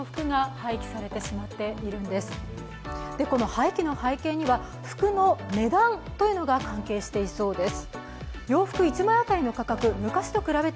廃棄の背景には服の値段が関係していそうです。